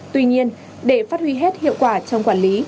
tuy nhiên để phát huy hết hiệu quả trong quản lý